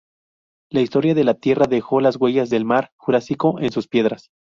La historia de la Tierra dejó las huellas del mar Jurásico en sus piedras.